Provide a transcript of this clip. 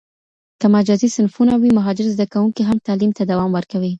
که مجازي صنفونه وي، مهاجر زده کوونکي هم تعلیم ته دوام ورکوي.